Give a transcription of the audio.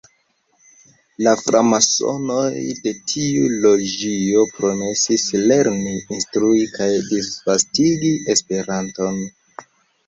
La framasonoj de tiu loĝio promesis lerni, instrui kaj disvastigi Esperanton.